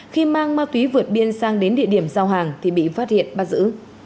khi mang ma túy vượt biên sang đến địa điểm giao hàng thì bị phát hiện bắt giữ